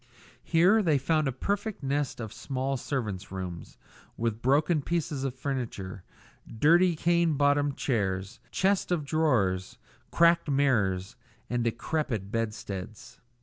Here they found a perfect nest of small servants' rooms, with broken pieces of furniture, dirty cane bottomed chairs, chests of drawers, cracked mirrors, and decrepit bedsteads.